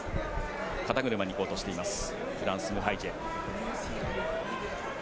肩車に行こうとしていますフランス、ムハイジェ。